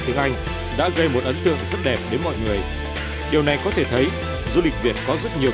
tiếng anh đã gây một ấn tượng rất đẹp đến mọi người điều này có thể thấy du lịch việt có rất nhiều